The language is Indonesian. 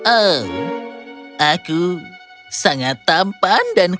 oh aku sangat tampan dan kuat